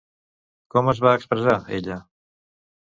Com es va expressar, ella?